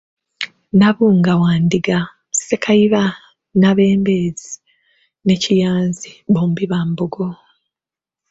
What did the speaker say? Nabbunga wa Ndiga, Sekayiba Nabembezi ne Kiyanzi bombi ba Mbogo.